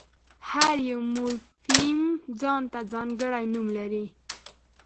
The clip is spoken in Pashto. هر یو مورفیم ځان ته ځانګړی نوم لري.